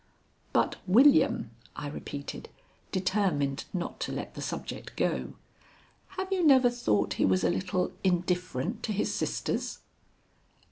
"But William?" I repeated, determined not to let the subject go; "have you never thought he was a little indifferent to his sisters?"